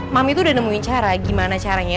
mami itu udah nemuin cara gimana caranya